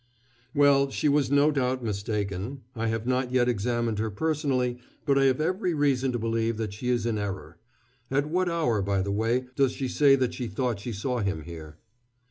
"Well, she was no doubt mistaken. I have not yet examined her personally, but I have every reason to believe that she is in error. At what hour, by the way, does she say that she thought she saw him here?"